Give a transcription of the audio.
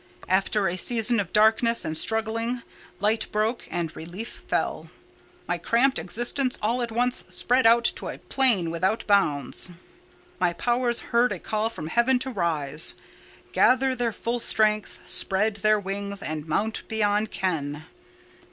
After a season of darkness and struggling, light broke and relief fell: my cramped existence all at once spread out to a plain without bounds—my powers heard a call from heaven to rise, gather their full strength, spread their wings, and mount beyond ken.